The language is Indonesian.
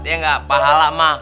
ya ga pahala mah